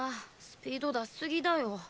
スピード出しすぎだよ。